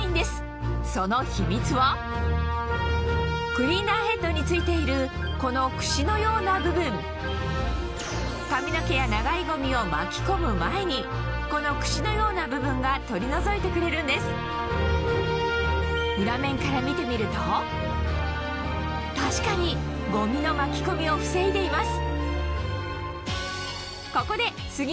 クリーナーヘッドに付いているこのクシのような部分髪の毛や長いゴミを巻き込む前にこのクシのような部分が取り除いてくれるんです裏面から見てみると確かにゴミの巻き込みを防いでいます